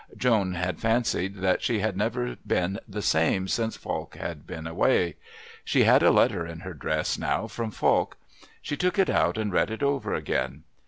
Joan had fancied that she had never been the same since Falk had been away. She had a letter in her dress now from Falk. She took it out and read it over again.